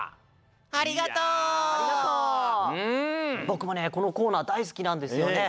ぼくもねこのコーナーだいすきなんですよね。